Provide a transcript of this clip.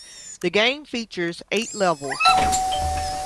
The game features eight levels.